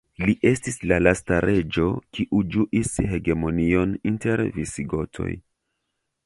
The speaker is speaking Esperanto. Li estis la lasta reĝo kiu ĝuis hegemonion inter visigotoj.